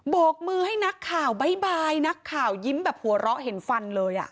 กมือให้นักข่าวบ๊ายบายนักข่าวยิ้มแบบหัวเราะเห็นฟันเลย